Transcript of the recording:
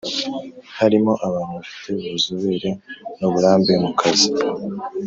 harimo abantu bafite ubuzobere n uburambe mu kazi